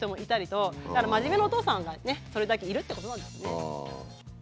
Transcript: だから真面目なお父さんがねそれだけいるってことなんですよね。